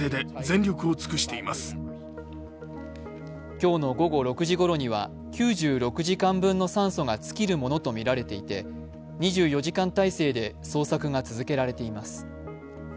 今日の午後６時ごろには９６時間分の酸素が尽きるものとみられていて２４時間態勢で捜索が続けられています。